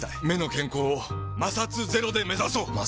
目の健康を摩擦ゼロで目指そう！